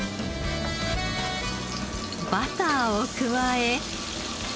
バターを加え。